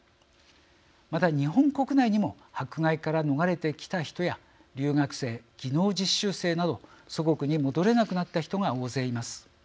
また、日本国内にも迫害から逃れてきた人や留学生、技能実習生など祖国に戻れなくなった人が大勢います。